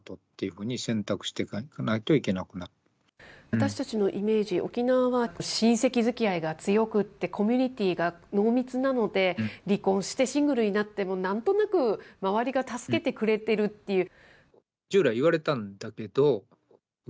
私たちのイメージ、沖縄は親戚づきあいが強くて、コミュニティが濃密なので、離婚して、シングルになっても、なんとなく周りが助けてくれてるっていう。